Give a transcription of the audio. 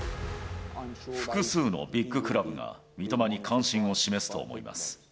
複数のビッグクラブが、三笘に関心を示すと思います。